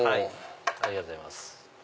ありがとうございます。